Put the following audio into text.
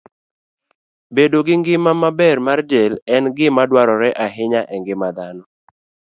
Bedo gi ngima maber mar del en gima dwarore ahinya e ngima dhano.